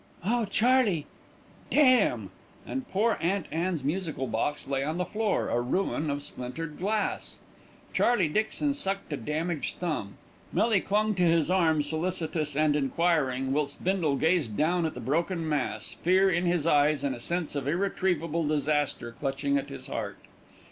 "Oh, Charley!" "Damn!" And Poor Aunt Anne's musical box lay on the floor, a ruin of splintered glass. Charley Dixon sucked a damaged thumb, Millie clung to his arm, solicitous and enquiring, whilst Bindle gazed down at the broken mass, fear in his eyes, and a sense of irretrievable disaster clutching at his heart.